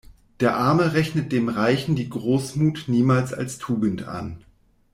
Der Arme rechnet dem Reichen die Großmut niemals als Tugend an.